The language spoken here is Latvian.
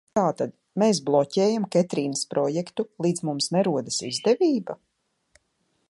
Tātad mēs bloķējam Ketrīnas projektu līdz mums nerodas izdevība?